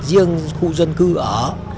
riêng khu dân cư ở